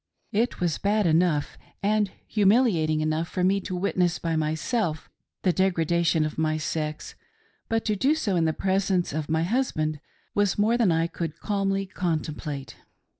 It was bad enough and humiliating enough for me to witness by myself the degrada tion of my sex; but to do so in the presence of my husband was more than I could calmly contemplate.